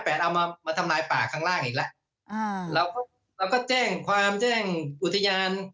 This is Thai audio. เอามาทำลายป่าข้างล่างอีกแล้วแล้วก็แจ้งความแจ้งอุทยาน